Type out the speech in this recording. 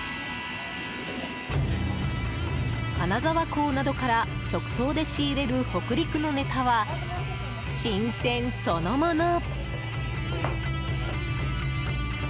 金沢港などから直送で仕入れる北陸のネタは新鮮そのもの。